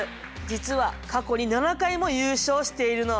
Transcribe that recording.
実は過去に７回も優勝しているの。